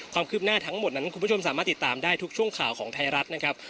ความคืบหน้าทั้งหมดนั้นคุณผู้ชมสามารถติดตามได้ทุกช่วงข่าวของไทยรัฐนะครับ